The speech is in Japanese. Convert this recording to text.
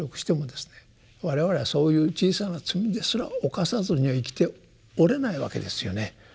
我々はそういう小さな罪ですら犯さずには生きておれないわけですよね。